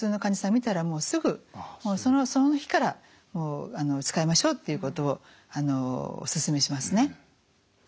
診たらもうすぐその日から使いましょうということをお勧めしますね。